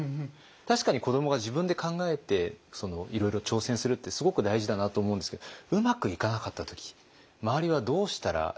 確かに子どもが自分で考えていろいろ挑戦するってすごく大事だなと思うんですけどうまくいかなかった時周りはどうしたらいいのかということ。